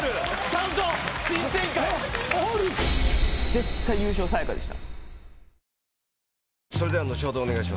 絶対優勝さや香でした。